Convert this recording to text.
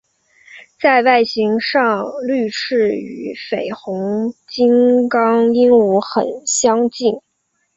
在外形上绿翅与绯红金刚鹦鹉很接近。